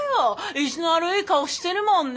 意地の悪い顔してるもんね。